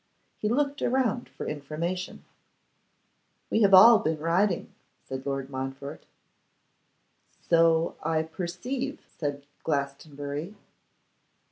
He looked around for information. 'We have all been riding,' said Lord Montfort. 'So I perceive,' said Glastonbury.